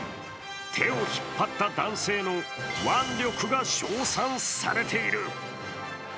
手を引っ張った男性の腕力が称賛されている。